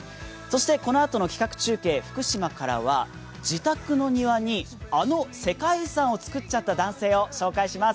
このあとの企画中継、福島からは自宅の庭にあの世界遺産を作っちゃった男性を紹介します。